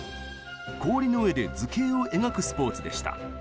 氷の上で図形を描くスポーツでした。